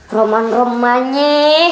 roman roman nya